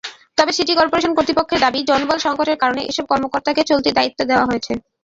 তবে city corporation কর্তৃপক্ষের দাবি, জনবল-সংকটের কারণে এসব কর্মকর্তাকে চলতি দায়িত্বে দেওয়া হয়েছে।